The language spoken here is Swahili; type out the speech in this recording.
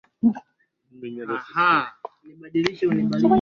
ya Machozi katika Kituo cha O wakati huo nikiwa shule ya msingi anasema Shaa